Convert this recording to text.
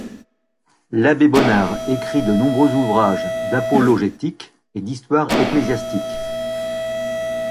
L'abbé Baunard écrit de nombreux ouvrages d'apologétique et d'histoire ecclésiastique.